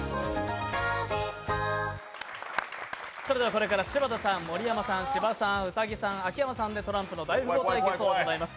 これから柴田さん、盛山さん芝さん、兎さん、秋山さんでトランプの「大富豪」対決を行います。